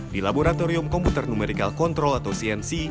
di laboratorium komputer numerikal kontrol atau cnc